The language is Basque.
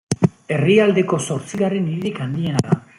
Herrialdeko zortzigarren hiririk handiena da.